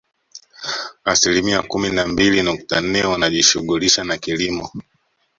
Asilimia kumi na mbili nukta nne wanajishughulisha na kilimo